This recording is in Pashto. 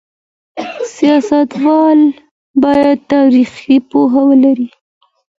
سیاستوال باید تاریخي پوهه ولري.